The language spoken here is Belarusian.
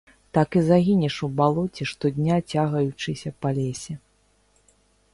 Так і загінеш у балоце, штодня цягаючыся па лесе.